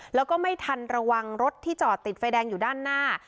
แล้วก็ไม่ทันระวังรถที่จอดติดไฟแดงอยู่ด้านหน้า